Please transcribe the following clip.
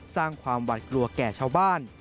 สร้างความหวัดกลัวแก่ชาวบ้าน